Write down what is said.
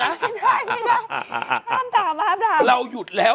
ใช่มึงไม่ได้ครับร่ำตามาเราหยุดแล้ว